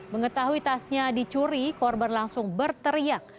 mengetahui tasnya dicuri korban langsung berteriak